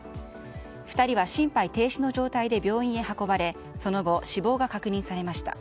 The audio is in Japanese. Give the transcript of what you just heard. ２人は心肺停止の状態で病院へ運ばれその後、死亡が確認されました。